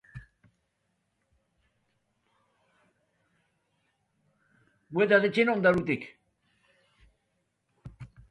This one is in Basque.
Lehen laurdena parekatua izan da.